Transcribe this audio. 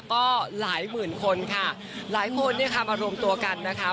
ก็หลายหมื่นคนค่ะหลายคนเนี่ยค่ะมารวมตัวกันนะคะ